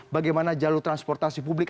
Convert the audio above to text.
bagaimana jalur transportasi publik